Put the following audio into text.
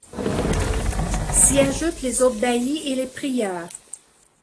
S'y ajoutent les autres baillis et les prieurs.